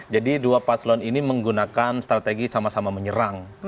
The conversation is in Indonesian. jadi dua paslon ini menggunakan strategi sama sama menyerang